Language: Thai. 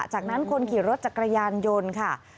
จากนั้นคนขี่รถจักรยานยนต์ค่ะ